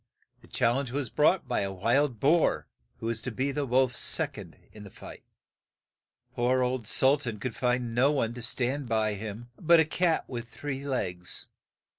The chal lenge was brought by a wild boar, who was to be the wolf's sec ond in the fight. Poor old Sul tan could find no one to stand by him but a cat that had but three legs.